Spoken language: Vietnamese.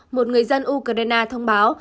một người dân ukraine thông báo